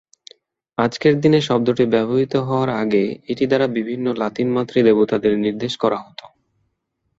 আজকের দিনে শব্দটি ব্যবহৃত হওয়ার আগে, এটি দ্বারা বিভিন্ন লাতিন মাতৃ দেবতাদের নির্দেশ করা হতো।